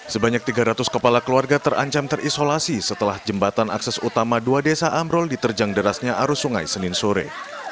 sebanyak tiga ratus kepala keluarga terancam terisolasi setelah jembatan akses utama dua desa amrol diterjang derasnya arus sungai senin sore